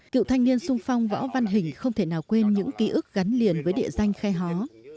cựu thanh niên sung phong võ văn hình không thể nào quên những ký ức gắn liền với địa danh khe hó